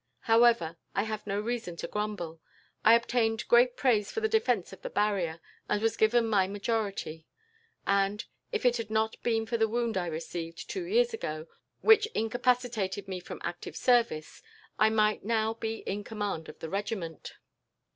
However, I have no reason to grumble. I obtained great praise for the defence of the barrier, and was given my majority; and, if it had not been for the wound I received, two years ago, which incapacitated me from active service, I might now be in command of the regiment."